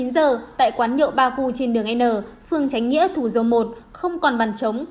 một mươi chín giờ tại quán nhậu ba cù trên đường n phương tránh nghĩa thủ dầu một không còn bàn trống